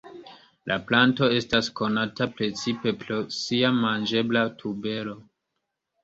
La planto estas konata precipe pro sia manĝebla tubero.